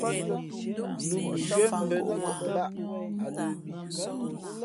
Nǔ mʉnzhwīē bα̌ nά tαʼ mbāʼ a lə̄ mī.